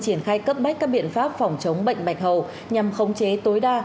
triển khai cấp bách các biện pháp phòng chống bệnh bạch hầu nhằm khống chế tối đa